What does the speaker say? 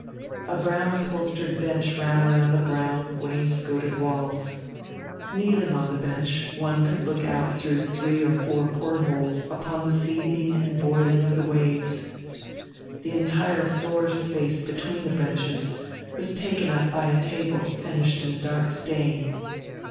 A brown upholstered bench ran around the brown, wainscoted walls. Kneeling on the bench one could look out through three or four port holes upon the seething and boiling of the waves. The entire floor space between the benches was taken up by a table finished in a dark stain.